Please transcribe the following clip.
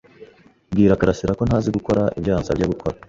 Bwira karasira ko ntazi gukora ibyo yansabye gukora.